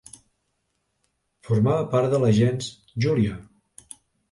Formava part de la gens Júlia.